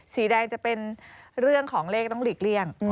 สีแดงจะเป็นเรื่องของเลขต้องหลีกเลี่ยง